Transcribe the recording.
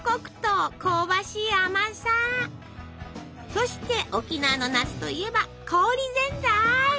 そして沖縄の夏といえば「氷ぜんざい」！